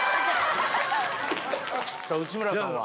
さあ、内村さんは。